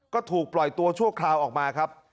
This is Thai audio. ก็ถูกปล่อยตัวชั่วคราวออกมาครับ